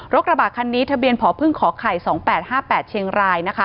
รถกระบาดคันนี้ทะเบียนผพข๒๘๕๘เชียงราย